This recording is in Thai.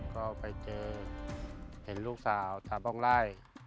ก็ไปเจอเห็นลูกสาวชาวบ้องไล่